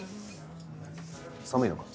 寒いのか？